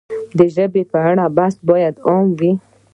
د ژبې په اړه بحثونه باید علمي وي.